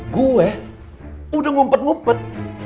gue udah ngumpet ngumpet